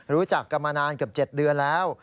รู้จักกันมานานเกือบ๗เดือนแล้ว